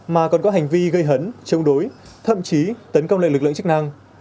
mà còn có hành vi gây hấn chống đối thậm chí tấn công lại lực lượng chức năng